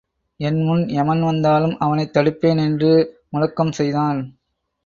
என் முன் எமன் வந்தாலும் அவனைத் தடுப்பேன் என்று முழக்கம் செய்தான்.